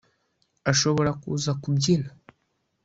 ashobora kuza kubyina.